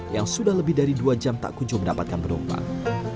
yang sudah lebih dari dua jam tak kunjung mendapatkan penumpang